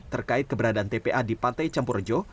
terkait keberadaan tpa di pantai campurjo